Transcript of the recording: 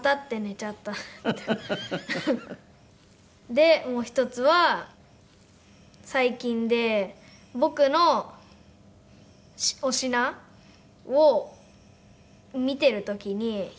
でもう１つは最近で僕のおしなを見てる時にひーまが。